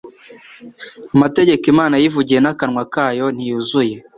Amategeko Imana yivugiye n'akanwa kayo ntiyuzuye,